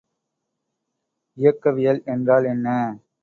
இயக்கவியல் என்றால் என்ன?